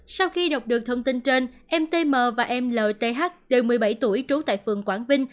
sau khi đọc được thông tin trên em t m và em l t h đều một mươi bảy tuổi trú tại phường quảng vinh